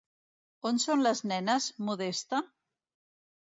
On són les nenes, Modesta?